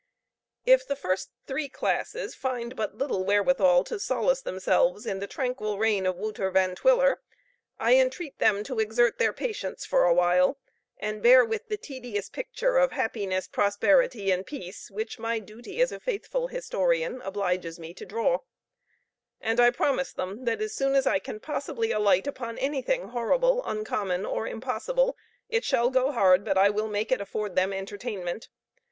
If the three first classes find but little wherewithal to solace themselves in the tranquil reign of Wouter Van Twiller, I entreat them to exert their patience for a while, and bear with the tedious picture of happiness, prosperity, and peace, which my duty as a faithful historian obliges me to draw; and I promise them that as soon as I can possibly alight upon anything horrible, uncommon, or impossible, it shall go hard but I will make it afford them entertainment.